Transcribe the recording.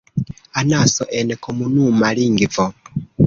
Anaso en komunuma lingvo.